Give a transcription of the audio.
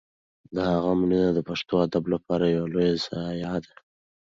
د هغه مړینه د پښتو ادب لپاره یوه لویه ضایعه ده.